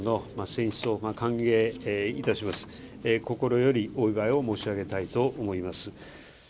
心よりお祝いを申し上げたいと思います。